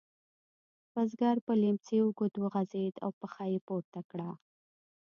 بزګر پر لیهمڅي اوږد وغځېد او پښه یې پورته کړه.